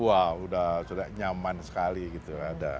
wow udah nyaman sekali gitu